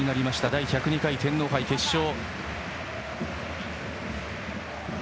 第１０２回天皇杯決勝。